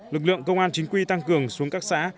lực lượng công an chính quy tăng cường xuống các xã